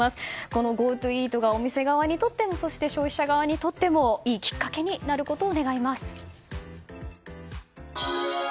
このＧｏＴｏイートがお店側にも消費者側にもいいきっかけになることを願います。